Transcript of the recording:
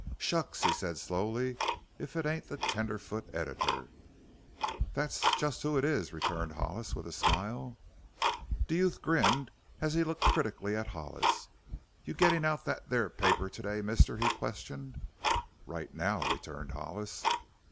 "Shucks!" he said slowly. "If it ain't the tenderfoot editor!" "That's just who it is," returned Hollis with a smile. The youth grinned as he looked critically at Hollis. "You gittin' out that there paper to day, mister?" he questioned. "Right now," returned Hollis.